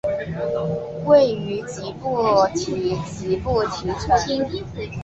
位于吉布提吉布提城。